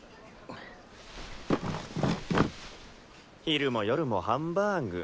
昼も夜もハンバーグ。